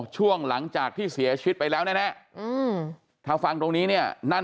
ช่วงหลังจากที่เสียชีวิตไปแล้วแน่ถ้าฟังตรงนี้เนี่ยนั่น